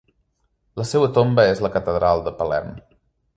La seua tomba és a la Catedral de Palerm.